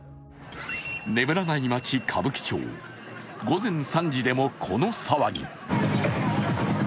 眠らない街、歌舞伎町午前３時でもこの騒ぎ。